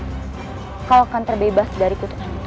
aku akan terbebas dari kutukan itu